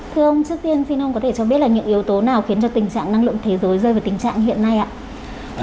thưa ông trước tiên xin ông có thể cho biết là những yếu tố nào khiến cho tình trạng năng lượng thế giới rơi vào tình trạng hiện nay ạ